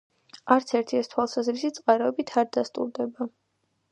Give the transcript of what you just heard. არც ერთი ეს თვალსაზრისი წყაროებით არ დასტურდება.